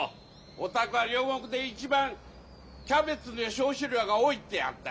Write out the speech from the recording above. お宅は両国で一番キャベツの消費量が多いって言いやがった。